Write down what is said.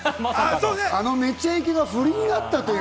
あの『めちゃイケ』が振りになったという。